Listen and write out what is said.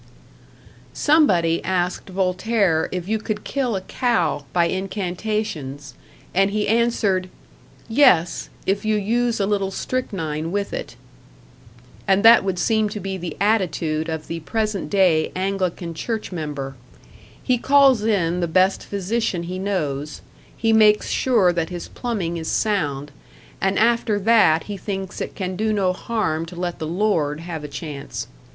Somebody asked Voltaire if you could kill a cow by incantations, and he answered, "Yes, if you use a little strychnine with it." And that would seem to be the attitude of the present day Anglican church member; he calls in the best physician he knows, he makes sure that his plumbing is sound, and after that he thinks it can do no harm to let the Lord have a chance.